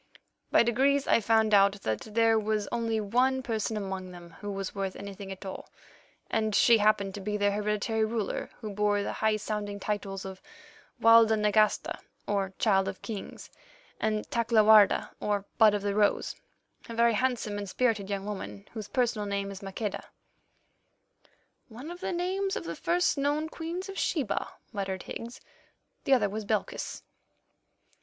By degrees I found out that there was only one person among them who was worth anything at all, and she happened to be their hereditary ruler who bore the high sounding titles of Walda Nagasta, or Child of Kings, and Takla Warda, or Bud of the Rose, a very handsome and spirited young woman, whose personal name is Maqueda——" "One of the names of the first known Queens of Sheba," muttered Higgs; "the other was Belchis."